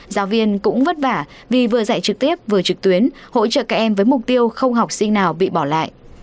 giáo viên cũng vất vả vì vừa dạy trực tiếp vừa trực tuyến hỗ trợ các em với mục tiêu không học sinh nào bị bỏ lại